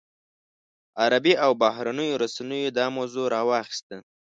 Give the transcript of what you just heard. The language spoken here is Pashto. عربي او بهرنیو رسنیو دا موضوع راواخیسته.